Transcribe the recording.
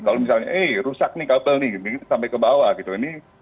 kalau misalnya eh rusak nih kabel nih sampai kebawah gitu kan ini